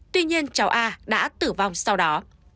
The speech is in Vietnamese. tuy nhiên cháu a đã tử vong sau đó